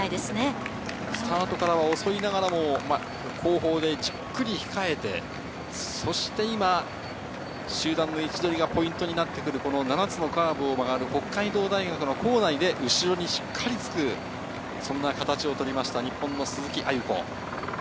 スタートからは遅いながらも、後方でじっくり控えてそして今、集団の位置取りがポイントになってくる７つのカーブを曲がる北海道大学の構内で後ろにしっかりつく形を取りました、日本の鈴木亜由子。